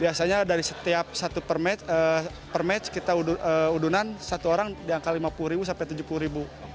biasanya dari setiap satu per match kita udunan satu orang di angka rp lima puluh sampai rp tujuh puluh